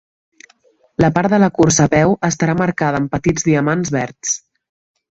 La part de la cursa a peu estarà marcada amb petits diamants verds.